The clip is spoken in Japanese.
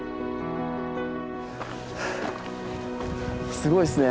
すごいですね。